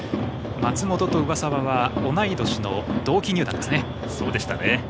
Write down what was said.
松本と上沢は同い年の同期入団ですね。